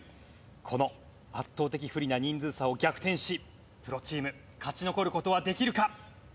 この圧倒的不利な人数差を逆転しプロチーム勝ち残る事はできるか！？